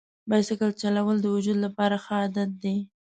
بایسکل چلول د وجود لپاره ښه عادت دی.